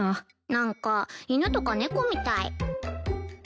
なんか犬とか猫みたい。